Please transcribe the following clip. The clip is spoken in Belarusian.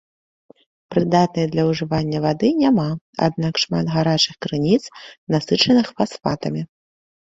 Прыдатнай для ўжывання вады няма, аднак шмат гарачых крыніц, насычаных фасфатамі.